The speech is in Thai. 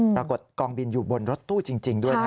ปรากฏกองบินอยู่บนรถตู้จริงด้วย